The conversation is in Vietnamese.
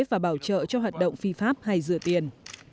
và bảo trợ cho hoạt động phi pháp hay rửa tiền